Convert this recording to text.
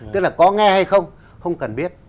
tức là có nghe hay không không cần biết